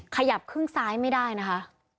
ขยับครึ่งซ้ายไม่ได้นะคะ